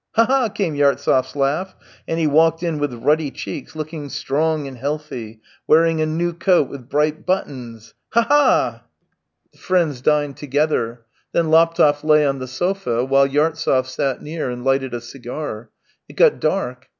" Ha, ha, ha !" came Yartsev's laugh, and he walked in with ruddy cheeks, looking strong and healthy, wearing a new coat with bright buttons. " Ha, ha, ha !" 286 THE TALES OF TCHEHOV The friends dined together. Then Laptev lay on the sofa while Yartsev sat near and lighted a cigar. It got dark.